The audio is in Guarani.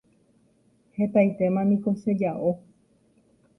Hetaitémaniko cheja'o.